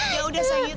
ya udah sayang